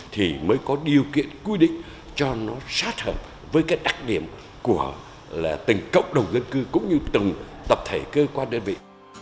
thì mới có điều kiện quy định cho nó sát hợp với cái đặc điểm của từng cộng đồng dân cư cũng như từng tập thể cơ quan đơn vị